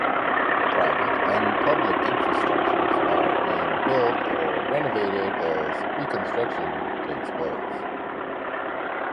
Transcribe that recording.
Private and public infrastructures are being built or renovated as reconstruction takes place.